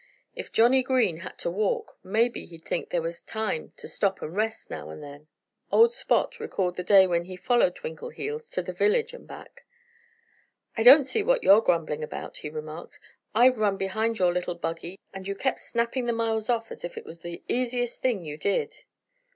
If Johnny Green had to walk, maybe he'd think there was time to stop and rest now and then." Old Spot recalled the day when he followed Twinkleheels to the village and back. "I don't see what you're grumbling about," he remarked. "I've run behind your little buggy and you kept snapping the miles off as if it was the easiest thing you did."